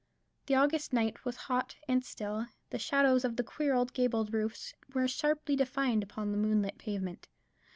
The August night was hot and still; the shadows of the queer old gabled roofs were sharply defined upon the moonlit pavement.